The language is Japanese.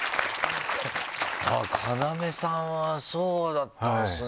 要さんはそうだったんですね。